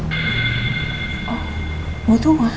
aku itu butuh uang ma sekarang